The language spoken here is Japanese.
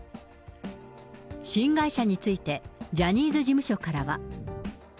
新会社について、ジャニーズ事務所からは。